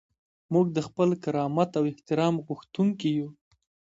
موږ د خپل کرامت او احترام غوښتونکي یو.